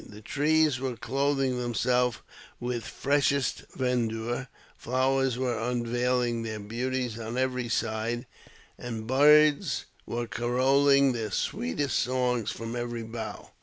The trees were clothing themselves with freshest verdure, flowers were un veihng their beauties on every side, and birds were carolHng their sweetest songs from every bough.